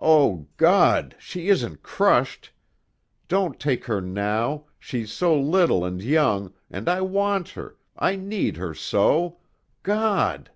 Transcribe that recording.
"Oh, God, she isn't crushed! Don't take her now, she's so little and young, and I want her, I need her so! God!"